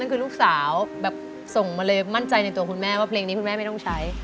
คือลูกสาวแบบส่งมาเลยมั่นใจในตัวคุณแม่ว่าเพลงนี้คุณแม่ไม่ต้องใช้